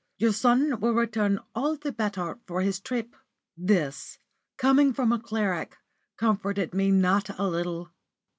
"Your son will return all the better for his trip." This, coming from a cleric, comforted me not a little.